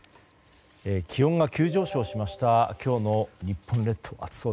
気温が急上昇しました今日の日本列島。